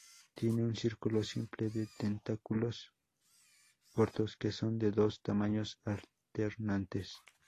Tienen un círculo simple de tentáculos cortos, que son de dos tamaños alternantes.